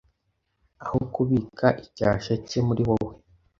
aho kubika icyasha cye muri wowe”